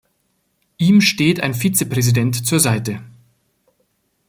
Ihm steht ein Vizepräsident zur Seite.